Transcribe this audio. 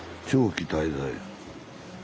「長期滞在」。